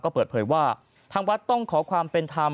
ก็เปิดเผยว่าทางวัดต้องขอความเป็นธรรม